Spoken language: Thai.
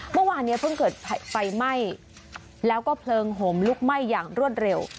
เมื่อวานนี้เพิ่งเกิดไฟไหม้แล้วก็เพลิงห่มลุกไหม้อย่างรวดเร็ว